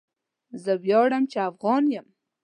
زه وياړم چي افغان یم